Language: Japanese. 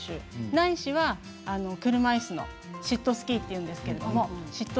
ないしは、車いすのシットスキーっていうんですけどシット